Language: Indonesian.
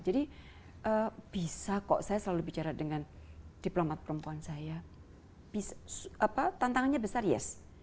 jadi bisa kok saya selalu bicara dengan diplomat perempuan saya bisa apa tantangannya besar yes